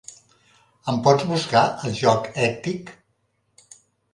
Em pots buscar el joc Hectic?